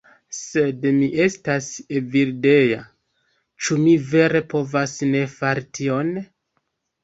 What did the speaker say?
Sed mi estas Evildea... ĉu mi vere povas ne fari tion?